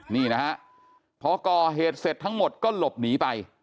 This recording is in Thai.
นี่นะฮะพอก่อเหตุเสร็จทั้งหมดก็หลบหนีไป